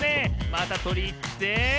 またとりにいって。